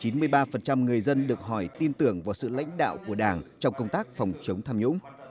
chín mươi ba người dân được hỏi tin tưởng vào sự lãnh đạo của đảng trong công tác phòng chống tham nhũng